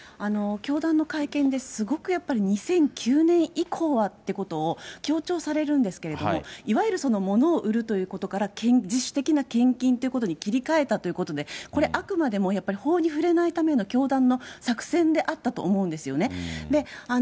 教団の会見ですごくやっぱり２００９年以降はってことを強調されるんですけれども、いわゆる、そのものを売るということから、自主的な献金っていうことに切り替えたっていうことで、これ、あくまでもやっぱり法に触れないための教団の作戦であったと思うんですよね。